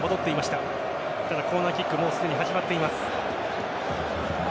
ただ、コーナーキックすでに始まっています。